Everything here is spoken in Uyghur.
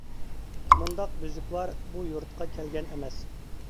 مۇنداق بۈزرۈكۋار بۇ يۇرتقا كەلگەن ئەمەس.